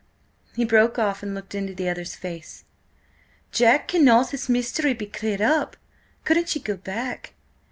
He broke off and looked into the other's face. "Jack, cannot this mystery be cleared up? Couldn't ye go back?"